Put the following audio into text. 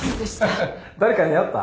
ハハ誰かに会った？